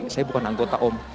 saya bukan anggota om